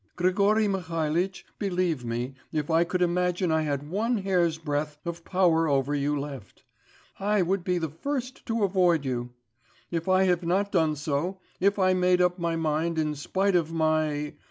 'Grigory Mihalitch, believe me, if I could imagine I had one hair's breadth of power over you left, I would be the first to avoid you. If I have not done so, if I made up my mind, in spite of my